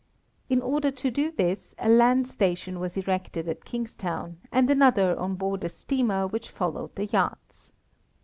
In order to do this a land station was erected at Kingstown, and another on board a steamer which followed the yachts.